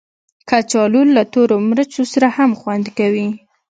کچالو له تورو مرچو سره هم خوند کوي